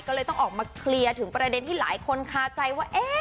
ก็เลยต้องออกมาเคลียร์ถึงประเด็นที่หลายคนคาใจว่า